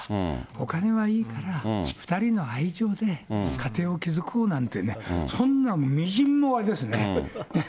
お金はいいから、２人の愛情で家庭を築こうなんてね、そんなみじんもあれですね。